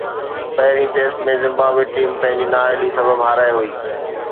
پهرين test ۾ Zimbabwe team پنهنجي نااهلي سبب هارائي هئي